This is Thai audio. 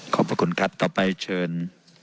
ขอบคุณครับต่อไปเชิญ